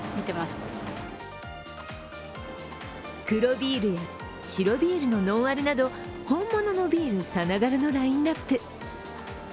黒ビールや白ビールのノンアルなど本物のビールさながらのラインナップ。